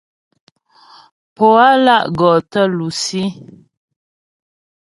Pǒ á lá' gɔ tə lusí.